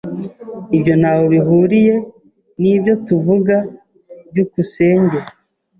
Ibyo ntaho bihuriye nibyo tuvuga. byukusenge